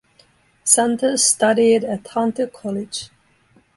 Santos studied at Hunter College.